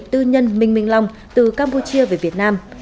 tư nhân minh minh long từ campuchia về việt nam